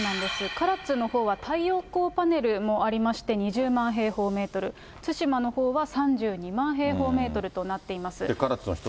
唐津のほうは太陽光パネルもありまして、２０万平方メートル、対馬のほうは３２万平方メートルとなっています。